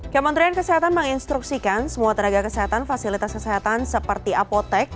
kementerian kesehatan menginstruksikan semua tenaga kesehatan fasilitas kesehatan seperti apotek